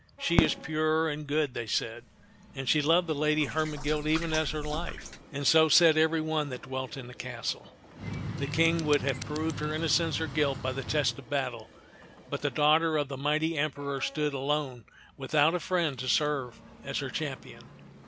" She is pure and good," they said, "and she loved the Lady Hermegild even as her life" ; and so said every one that dwelt in the castle. The King would have proved her innocence or guilt by the test of battle ; but the daughter of the mighty Emperor stood alone without a friend to serve her as her cham ^ ^§e ()()Xixn of ^ckW'b Zah 65 pion.